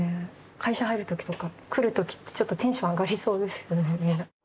会社入るときとか来るときってちょっとテンション上がりそうですよね。